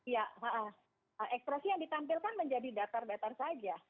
ya ekspresi yang ditampilkan menjadi datar datar saja